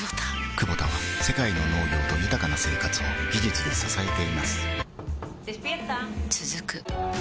クボタは世界の農業と豊かな生活を技術で支えています起きて。